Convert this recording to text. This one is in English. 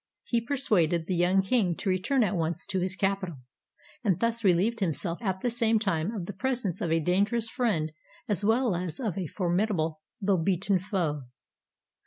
He persuaded the young king to return at once to his capital, and thus relieved himself at the same time of the presence of a dangerous friend as well as of a formidable though beaten foe.